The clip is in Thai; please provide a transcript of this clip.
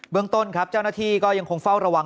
เมืองต้นครับเจ้าหน้าที่ก็ยังคงเฝ้าระวัง